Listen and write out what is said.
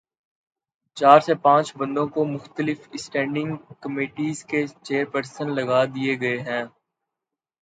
چار سے پانچ بندوں کو مختلف اسٹینڈنگ کمیٹیز کے چیئر پرسن لگادیے گئے ہیں۔